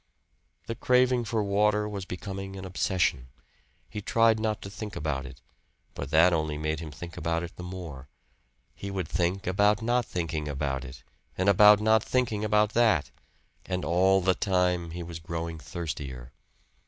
The craving for water was becoming an obsession. He tried not to think about it, but that only made him think about it the more; he would think about not thinking about it and about not thinking about that and all the time he was growing thirstier.